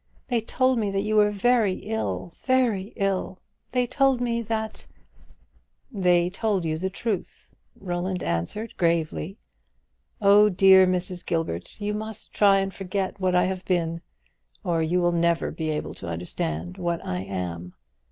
They told me that you were very, very ill; they told me that " "They told you the truth," Roland answered gravely. "Oh, dear Mrs. Gilbert, you must try and forget what I have been, or you will never be able to understand what I am.